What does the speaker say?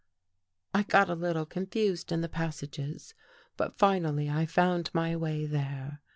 " I got a little confused in the passages, but finally I found my way there.